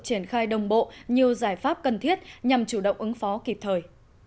triển khai đồng bộ nhiều giải pháp cần thiết nhằm chủ động ứng phó kịp thời